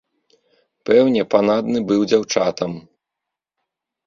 Пэўне, панадны быў дзяўчатам.